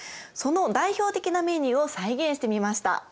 その代表的なメニューを再現してみました。